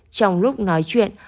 trong lúc nói chuyện